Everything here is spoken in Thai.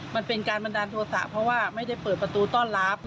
มันเป็นการบันดาลโทษะเพราะว่าไม่ได้เปิดประตูต้อนรับ